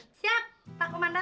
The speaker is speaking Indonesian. siap pak komandan